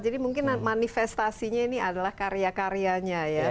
jadi mungkin manifestasinya ini adalah karya karyanya ya